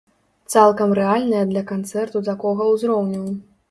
Цалкам рэальныя для канцэрту такога ўзроўню.